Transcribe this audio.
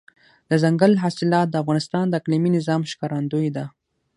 دځنګل حاصلات د افغانستان د اقلیمي نظام ښکارندوی ده.